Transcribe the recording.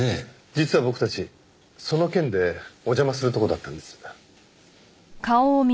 実は僕たちその件でお邪魔するとこだったんです。